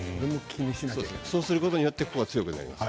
そうすることによって強くなります。